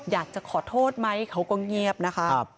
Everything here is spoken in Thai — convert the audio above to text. อยากจะขอโทษไหมเขาก็เงียบนะคะ